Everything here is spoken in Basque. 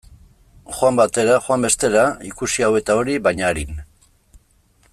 Joan batera, joan bestera, ikusi hau eta hori, baina arin.